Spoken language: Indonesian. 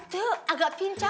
betul agak pincang